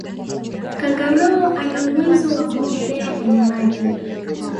kangaroo ana uwezo wa kuogelea kwenye maji